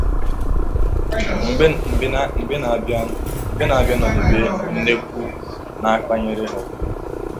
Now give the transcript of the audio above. mbe na-abịa nọdebe nnekwu na-akpanyere ya ụka